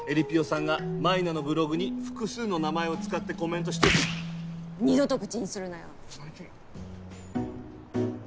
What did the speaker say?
さんが舞菜のブログに複数の名前を使ってコメントして二度と口にするなよすいません